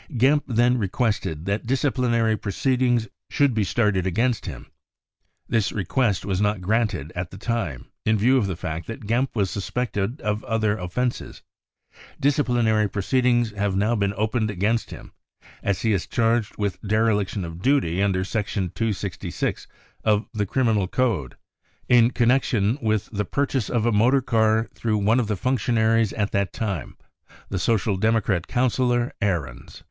Gempp then requested that disciplinary proceedings should be started against him. This request was not granted at the time, in view of the fact that Gempp was suspected of other offences. Dis ciplinary proceedings , have now been opened against him, as he is charged with dereliction of duty under section 266 of the Criminal Code in connection with the purchase of a motor car through one of the functionaries at that time, the Social Democrat councillor Ahrens."